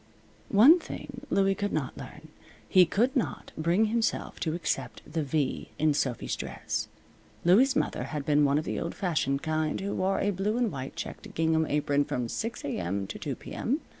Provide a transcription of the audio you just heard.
One thing Louie could not learn. He could not bring himself to accept the V in Sophy's dress. Louie's mother had been one of the old fashioned kind who wore a blue and white checked gingham apron from 6 A.M. to 2 P.M.